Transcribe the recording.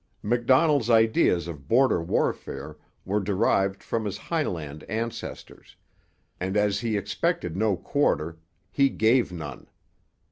Macdonell's ideas of border warfare were derived from his Highland ancestors; and, as he expected no quarter, he gave none.